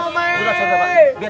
matang baru madus